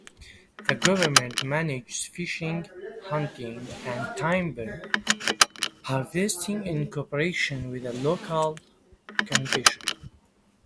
The government manages fishing, hunting and timber harvesting in cooperation with local communities.